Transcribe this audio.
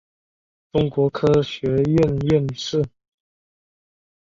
中国科学院院士。